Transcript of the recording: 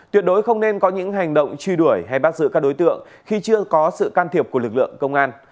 tuyệt đối không nên có những hành động truy đuổi hay bắt giữ các đối tượng khi chưa có sự can thiệp của lực lượng công an